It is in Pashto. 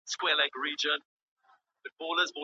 پاکي اوبه څنګه برابرول کیږي؟